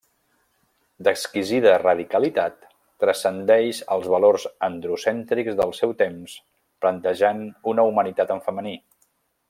D'exquisida radicalitat, transcendeix els valors androcèntrics del seu temps plantejant una humanitat en femení.